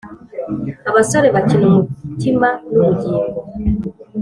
abasore bakina umutima n'ubugingo;